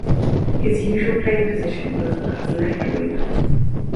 His usual playing position was as left winger.